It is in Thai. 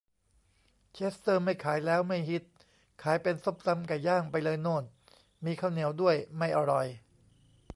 เชสเตอร์ไม่ขายแล้ว ไม่ฮิต ขายเป็นส้มตำไก่ย่างไปเลยโน่น มีข้าวเหนียวด้วย ไม่อร่อย